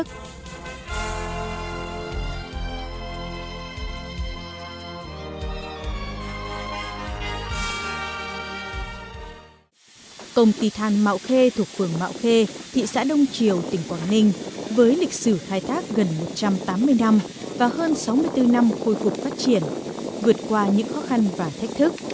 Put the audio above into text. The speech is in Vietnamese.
công ty than mạo khê thuộc phường mạo khê thị xã đông triều tỉnh quảng ninh với lịch sử khai thác gần một trăm tám mươi năm và hơn sáu mươi bốn năm khôi phục phát triển vượt qua những khó khăn và thách thức